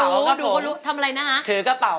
ดูคนรู้ดูคนรู้ทำอะไรนะฮะถือกระเป๋า